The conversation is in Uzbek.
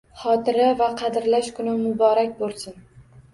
Xotira va qadrlash kuni muborak bo'lsin!